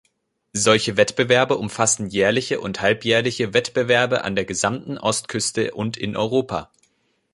Solche Wettbewerbe umfassen jährliche und halbjährliche Wettbewerbe an der gesamten Ostküste und in Europa.